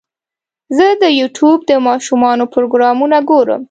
زه د یوټیوب د ماشومانو پروګرامونه ګورم.